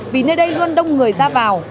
vì nơi đây luôn đông người ra vào